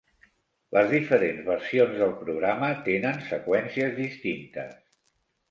Les diferents versions del programa tenen seqüències distintes.